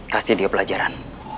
kasih dia pelajaran